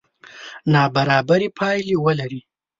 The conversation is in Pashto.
نابرابرې پایلې ولري.